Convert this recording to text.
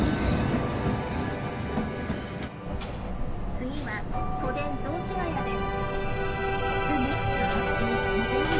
次は都電雑司ヶ谷です。